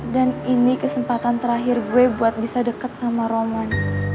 dan ini kesempatan terakhir gue buat bisa deket sama roman